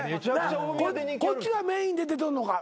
こっちがメインで出とんのか？